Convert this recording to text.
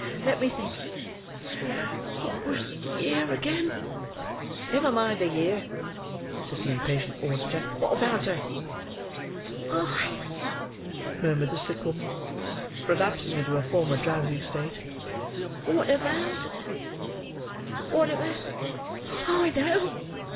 Let me think—what was the year again!" "Never mind the year," said the impatient auditor; "what about her?" "Ay," murmured the sick woman, relapsing into her former drowsy state, "what about her?—what about—I know!"